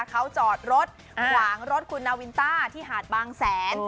เขาจอดรถขวางรถคุณนาวินต้าที่หาดบางแสน